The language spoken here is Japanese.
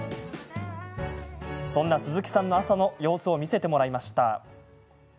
そんな鈴木さんの朝の様子を見せてもらいました。